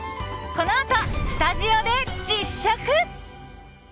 このあとスタジオで実食。